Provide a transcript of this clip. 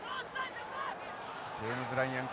ジェームズライアン